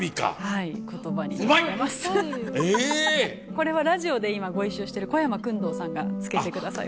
これはラジオで今ご一緒してる小山薫堂さんが付けてくださいました。